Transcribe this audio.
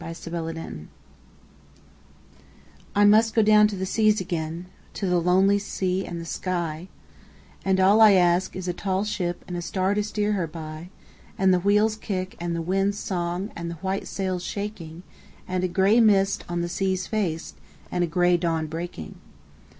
Y Z Sea Fever I MUST down to the seas again, to the lonely sea and the sky, And all I ask is a tall ship and a star to steer her by, And the wheel's kick and the wind's song and the white sail's shaking, And a gray mist on the sea's face, and a gray dawn breaking.